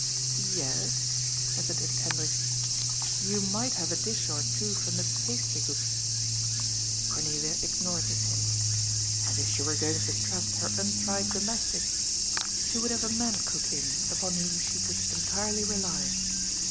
"Ye — es," hesitated Hendrik. "You might have a dish or two from the pastrycook's." Cornelia ignored this hint. As if she were going to trust her untried domestic I She would have a man cook in upon whom she could entirely rely.